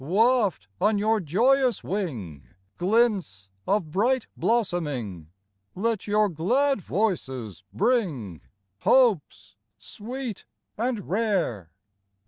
Waft on your joyous whig Glints of bright blossoming ; Let your glad voices bring Hopes sweet and rare.